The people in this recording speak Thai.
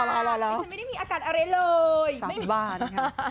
ฉันไม่ได้มีอากาศอะไรเลยไม่มี